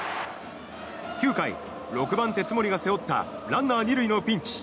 ９回、６番手、津森が背負ったランナー２塁のピンチ。